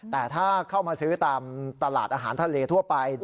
แต่ถ้าเข้ามาซื้อตามตลาดอาหารทะเลทั่วไป